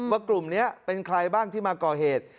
กลุ่มนี้เป็นใครบ้างที่มาก่อเหตุ